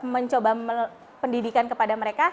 mencoba pendidikan kepada mereka